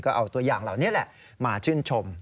ก็เอาตัวอย่างเหล่านี้แหละมาชื่นชม